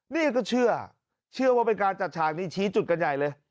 นี่ก็เชื่อเชื่อว่าเป็นการจัดฉากนี้ชี้จุดกันใหญ่เลย